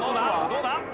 どうだ？